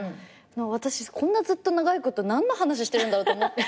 私こんなずっと長いこと何の話してるんだろうと思って。